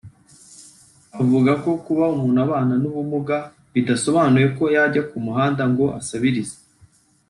avuga ko kuba umuntu abana n’ubumuga bidasobanuye ko yajya ku muhanda ngo asabirize